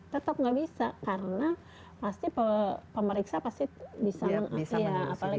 tetap nggak bisa karena pasti pemeriksa pasti bisa mengakhia